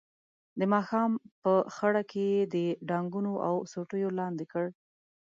د ماښام په خړه کې یې د ډانګونو او سوټیو لاندې کړ.